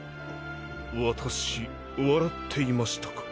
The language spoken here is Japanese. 私笑っていましたか？